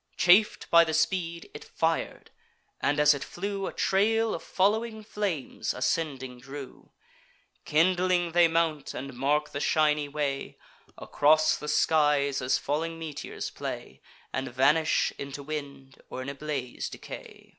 Chaf'd by the speed, it fir'd; and, as it flew, A trail of following flames ascending drew: Kindling they mount, and mark the shiny way; Across the skies as falling meteors play, And vanish into wind, or in a blaze decay.